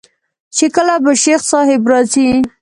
چې کله به شيخ صاحب راځي.